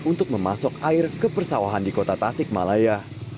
untuk memasok air ke persawahan di kota tasik malaya